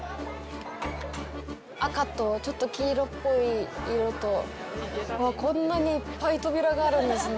赤とちょっと黄色っぽい色とこんなにいっぱい扉があるんですね。